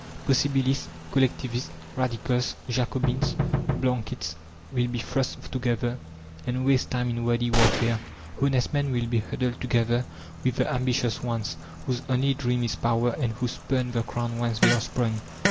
Possibilists, Collectivists, Radicals, Jacobins, Blanquists, will be thrust together, and waste time in wordy warfare. Honest men will be huddled together with the ambitious ones, whose only dream is power and who spurn the crowd whence they are sprung.